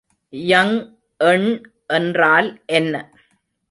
Young எண் என்றால் என்ன?